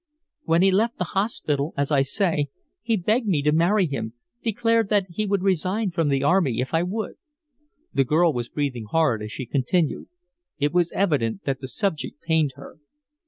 "When he left the hospital, as I say, he begged me to marry him declared he would resign from the army if I would." The girl was breathing hard as she continued; it was evident that the subject pained her.